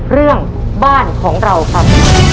เรื่องบ้านของเราครับ